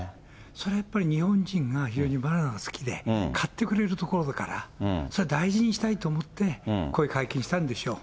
それはやっぱり、日本人が非常にバナナが好きで、買ってくれる所だから、それは大事にしたいと思って、こういう会見したんでしょう。